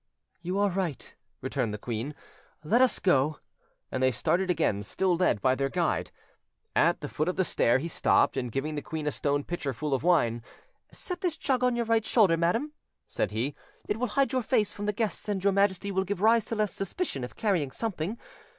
"You are right," returned the queen; "let us go". And they started again still led by their guide. At the foot of the stair he stopped, and giving the queen a stone pitcher full of wine— "Set this jug on your right shoulder, madam," said he; "it will hide your face from the guests, and your Majesty will give rise to less suspicion if carrying something.